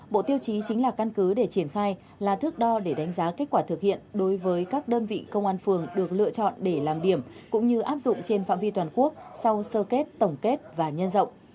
bộ tiêu chí chính là căn cứ để triển khai là thước đo để đánh giá kết quả thực hiện đối với các đơn vị công an phường được lựa chọn để làm điểm cũng như áp dụng trên phạm vi toàn quốc sau sơ kết tổng kết và nhân rộng